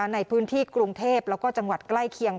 ในพื้นที่กรุงเทพแล้วก็จังหวัดใกล้เคียง